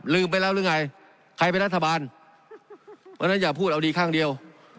ไปแล้วหรือไงใครเป็นรัฐบาลเพราะฉะนั้นอย่าพูดเอาดีข้างเดียว